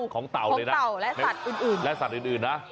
ของเต่าของเต่าและสัตว์อื่นนะ